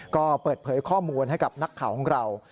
ก็เปิดเผยข้อมูลให้กับนักข่าวของเรา